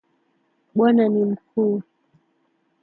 Bwana ni mkuu